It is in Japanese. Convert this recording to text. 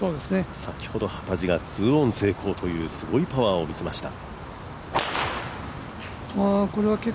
先ほど幡地が２オン成功というすごいパワーを見せました。